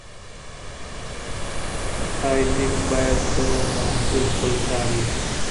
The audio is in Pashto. پایلیک باید د محصل خپل کار وي.